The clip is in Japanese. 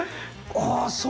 ああそう。